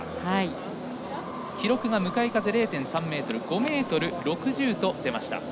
記録が向かい風０．３メートル５ｍ６０と出ました。